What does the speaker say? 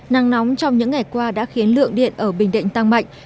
nắng nóng trong những ngày qua đã khiến lượng điện ở bình định tăng mạnh